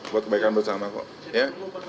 buat kebaikan bersama kok